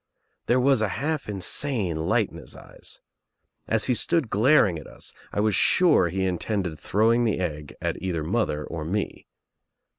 There was a half insane light in his eyes. As be stood glaring at us I was sure be T H E EGG 57 intended throwing the egg at either mother or me.